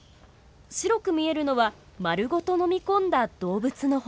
白く見えるのは丸ごと飲み込んだ動物の骨。